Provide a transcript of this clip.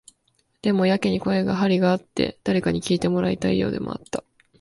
でも、やけに声に張りがあって、誰かに聞いてもらいたいようでもあった。